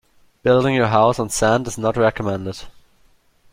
Building your house on sand is not recommended.